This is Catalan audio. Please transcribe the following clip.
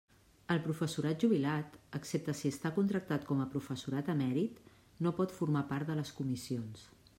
El professorat jubilat, excepte si està contractat com a professorat emèrit, no pot formar part de les comissions.